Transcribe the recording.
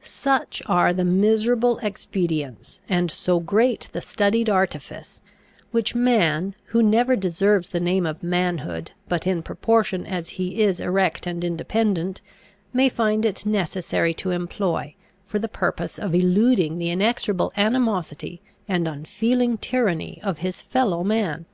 Such are the miserable expedients, and so great the studied artifice, which man, who never deserves the name of manhood but in proportion as he is erect and independent, may find it necessary to employ, for the purpose of eluding the inexorable animosity and unfeeling tyranny of his fellow man!